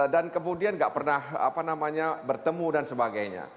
dan kemudian tidak pernah bertemu dan sebagainya